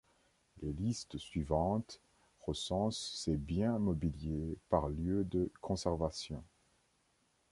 Les listes suivantes recensent ces biens mobiliers par lieu de conservation.